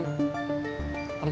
kalau mau anak buahnya aman